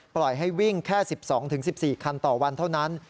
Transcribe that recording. ปล่อยให้วิ่งแค่๑๒๑๔คันต่อวันเท่านั้น